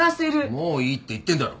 もういいって言ってんだろ。